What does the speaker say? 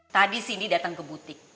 tadi sini datang ke butik